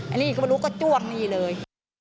อันนี้ก็ไม่รู้ก็จ้วงนี่เลย